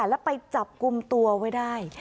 แล้วไปจับกลุ่มตัวไว้ได้